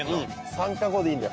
３か５でいいんだ。